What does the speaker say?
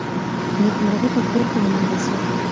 نېکمرغي په کور کي وموندل سوه.